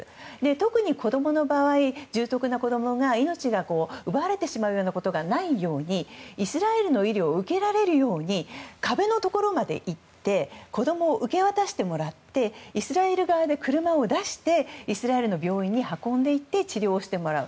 特に子供の場合、重篤な子供が命を奪われてしまうようなことがないようにイスラエルの医療を受けられるよう壁のところまで行って子供を受け渡してもらってイスラエル側で車を出してイスラエルの病院に運んでいって治療してもらう。